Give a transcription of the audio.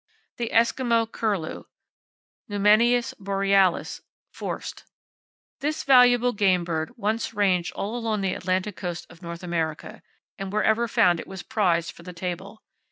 The Eskimo Curlew, —Numenius borealis, (Forst.). This valuable game bird once ranged all along the Atlantic coast of North America, and wherever found it was prized for the table.